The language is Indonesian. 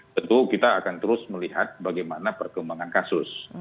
tentu kita akan terus melihat bagaimana perkembangan kasus